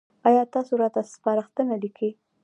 ایا تاسو راته سپارښتنه لیکئ؟